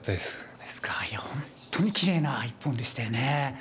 本当にきれいな一本でしたよね。